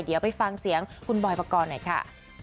เดี๋ยวไปฟังเสียงคุณบอยปกรณ์หน่อยค่ะ